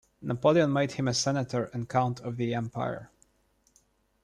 Napoleon made him a senator and count of the empire.